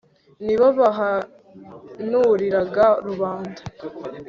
ni bo bahanuriraga rubanda